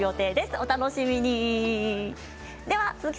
お楽しみに。